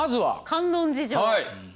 観音寺城。